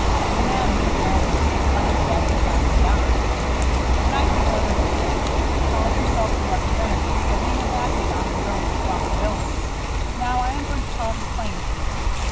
The man took it awkwardly, glanced at it, and passed it on. "To night he's ordered a strike. He calls himself your representative, but he has acted on his own responsibility. Now, I am going to talk plain to you.